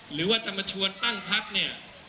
หรือว่าจะมาชวนตั้งพักเนี่ย